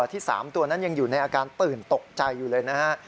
ที่๓ตัวนั้นยังอยู่ในอาการตื่นตกใจอยู่เลยนะฮะ